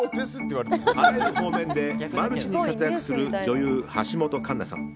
あらゆる方面でマルチに活躍する女優・橋本環奈さん。